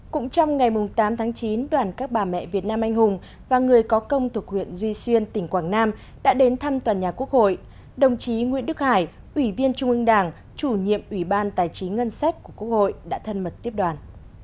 cũng trong ngày tám tháng chín đoàn các bà mẹ việt nam anh hùng và người có công thuộc huyện duy xuyên tỉnh quảng nam đã đến thăm tòa nhà quốc hội đồng chí nguyễn đức hải ủy viên trung ương đảng chủ nhiệm ủy ban tài chính ngân sách của quốc hội đã thân mật tiếp đoàn